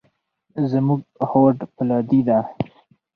زموږ هوډ فولادي دی.